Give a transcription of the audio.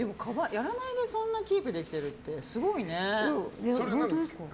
やらないでそんなにキープできているって本当ですか？